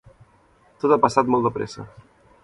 Tot ha passat molt de pressa.